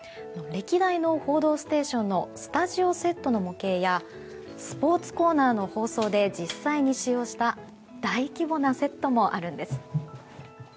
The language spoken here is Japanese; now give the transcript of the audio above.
歴代の「報道ステーション」のスタジオセットの模型やスポーツコーナーの放送で実際に使用した大規模なセットもあるんです。